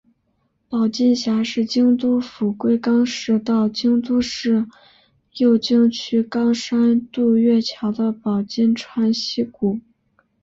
保津峡是京都府龟冈市到京都市右京区岚山渡月桥的保津川溪谷。